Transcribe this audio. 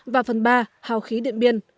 và phần ba hào khí điện biên